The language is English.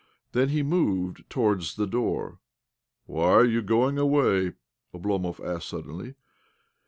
Then he moved towar'ds the door. "Why are you going away?" Oblomov asked suddenly.